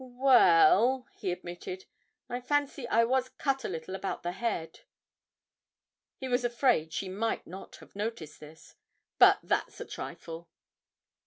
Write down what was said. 'Well,' he admitted, 'I fancy I was cut a little about the head' (he was afraid she might not have noticed this), 'but that's a trifle.'